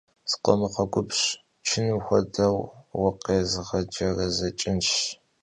Skhomğegubj, çınım xuedeu vukhêzğecerezeç'ınş!